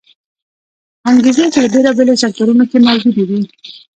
انګېزې چې د بېلابېلو سکتورونو کې موجودې وې